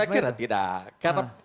saya kira tidak karena